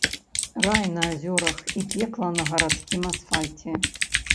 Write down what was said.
Рай на азёрах і пекла на гарадскім асфальце.